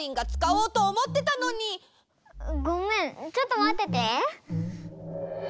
ごめんちょっとまってて。